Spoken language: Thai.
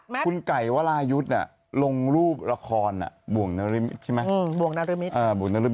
แมทแกหายใจก็ผิดแล้ววินาทีเนี่ย